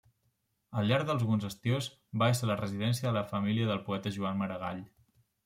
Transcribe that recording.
Al llarg d'alguns estius va esser la residència de la família del poeta Joan Maragall.